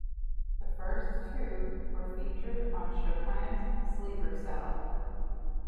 The first two were featured on Showtime's "Sleeper Cell".